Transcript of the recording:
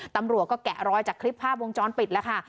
ตำรวจก็แกะรอยจากคลิปภาพวงจรปิดแล้วค่ะ